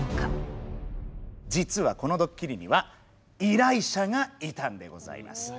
実はこのドッキリには依頼者がいたんでございます。